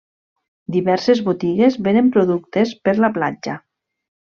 Diverses botigues venen productes per la platja.